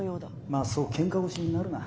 まあそうけんか腰になるな。